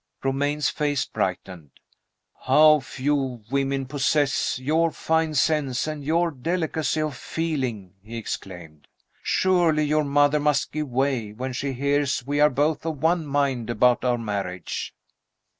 Romayne's face brightened. "How few women possess your fine sense and your delicacy of feeling!" he exclaimed "Surely your mother must give way, when she hears we are both of one mind about our marriage."